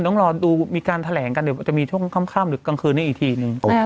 ต้องรอดูมีการแถลงกันเดี๋ยวมันจะมีช่วงค่ำหรือกลางคืนนี้อีกทีนึง